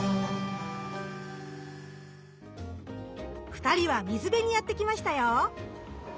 二人は水辺にやって来ましたよ！